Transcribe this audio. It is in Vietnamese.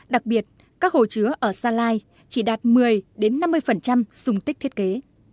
đặc biệt các hồ chứa ở gia lai chỉ đạt một mươi năm mươi dung tích thiết kế